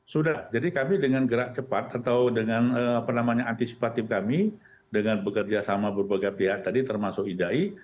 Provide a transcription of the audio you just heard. sudah jadi kami dengan gerak cepat atau dengan penamanya antisipatif kami dengan bekerja sama berbagai pihak tadi termasuk idai